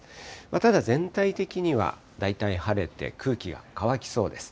ただ全体的には大体晴れて、空気が乾きそうです。